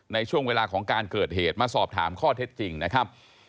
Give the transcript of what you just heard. ในช่วงเวลาของการเกิดเหตุมาสอบถามข้อเท็จจริงนะครับ